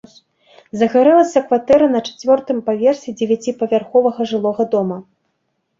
Загарэлася кватэра на чацвёртым паверсе дзевяціпавярховага жылога дома.